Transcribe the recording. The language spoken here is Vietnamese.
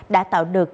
đã tạo được